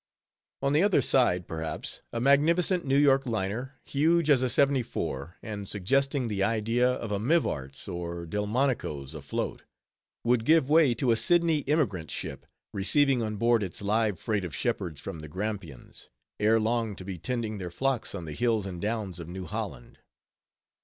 On the other side, perhaps, a magnificent New York Liner, huge as a seventy four, and suggesting the idea of a Mivart's or Delmonico's afloat, would give way to a Sidney emigrant ship, receiving on board its live freight of shepherds from the Grampians, ere long to be tending their flocks on the hills and downs of New Holland.